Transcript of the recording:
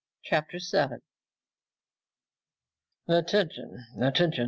CHAPTER 7 "Attention! Attention!